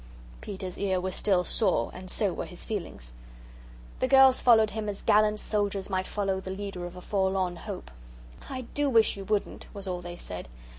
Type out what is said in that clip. Peter's ear was still sore and so were his feelings. The girls followed him as gallant soldiers might follow the leader of a forlorn hope. "I do wish you wouldn't," was all they said.